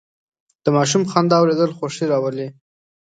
د ماشوم خندا اورېدل خوښي راولي.